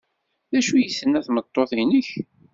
D acu ay d-tenna tmeṭṭut-nnek?